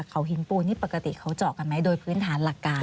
เขาหินปูนนี่ปกติเขาเจาะกันไหมโดยพื้นฐานหลักการ